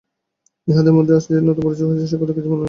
ইহাদের মধ্যে আজ যে নূতন পরিচয় সে কথা কিছুতেই মনে হইল না।